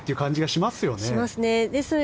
しますね。